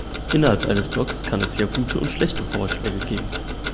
Innerhalb eines Blocks kann es ja gute und schlechte Vorschläge geben.